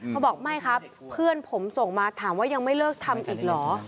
เขาบอกไม่ครับเพื่อนผมส่งมาถามว่ายังไม่เลิกทำอีกเหรอ